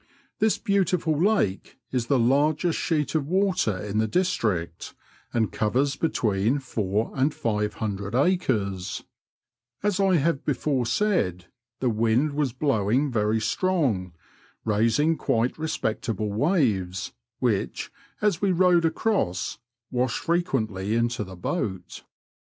This beautiful lake is the largest sheet of water in the district, and covers between four and five hundred acres. As I have Digitized by VjOOQIC PALLING TO HIGELING AND MABTHAM. 95 before said, the wind was blowing very strong, raising quite respectable waves, which, as we rowed across, washed fre quently into the boat.